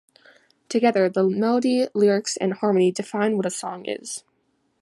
Together, the melody, lyrics and harmony define what a song is.